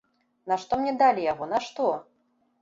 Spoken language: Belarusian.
Нашто мне далі яго, нашто?